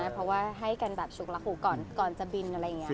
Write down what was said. เพราะให้กันชุกลักหูก่อนจะบิน